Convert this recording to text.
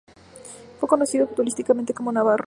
Fue conocido futbolísticamente como Navarro.